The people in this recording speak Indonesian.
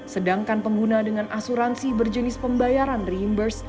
sedangkan pengguna dengan asuransi berjenis perawatan non tunai